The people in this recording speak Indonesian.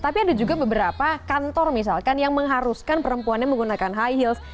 tapi ada juga beberapa kantor misalkan yang mengharuskan perempuannya menggunakan high heels